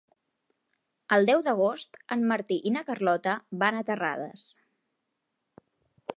El deu d'agost en Martí i na Carlota van a Terrades.